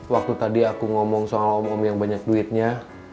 waktu tadi aku ngomong soal om om yang banyak duitnya